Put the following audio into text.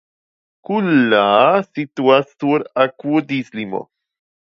Kullaa situas sur akvodislimo.